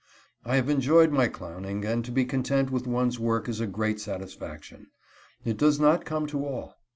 I have enjoyed my clowning, and to be content with one's work is a great satisfaction. It does not come to all.